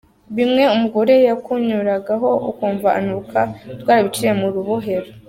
Bimwe umugore yakunyuragaho ukumva anuka twarabiciye mu rubohero.